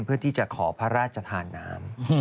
เพื่อที่จะขอพระราชทานน้ำ